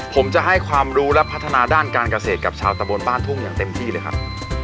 ผมจะให้ความรู้และพัฒนาด้านการเกษตรกับชาวตะบนบ้านทุ่งอย่างเต็มที่เลยครับ